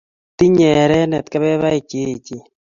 Tinyei erenet kebebaik che eechen